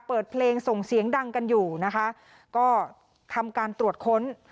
เปิดเพลงส่งเสียงดังกันอยู่นะคะก็ทำการตรวจค้น